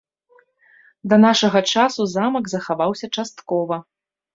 Да нашага часу замак захаваўся часткова.